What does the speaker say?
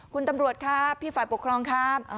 คุณตำรวจครับพี่ฝ่ายปกครองครับ